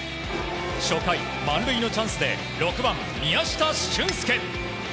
初回、満塁のチャンスで６番、宮下隼輔。